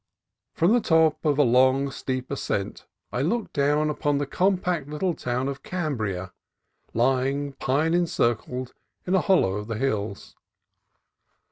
From the top of a long, steep ascent, I looked down upon the compact little town of Cambria, lying pine encircled in a hollow of the hills.